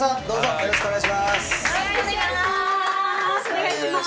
よろしくお願いします。